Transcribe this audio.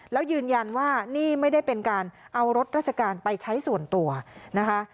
แล้วยืนยันว่านี่ไม่ได้เป็นการเอารถราชการไปใช้ส่วนตัวนะคะ